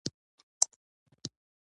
د نوي پاچا دربار ته سوغاتونه یوسي.